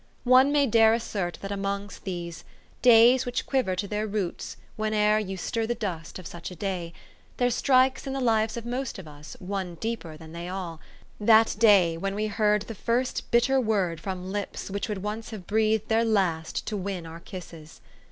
One may dare assert that among these " Days which quiver to their roots Whene'er you stir the dust of such a day," there strikes in the lives of most of us one deeper than they all, that day when we heard the first bit ter word from lips which would once have breathed their last to win our kisses.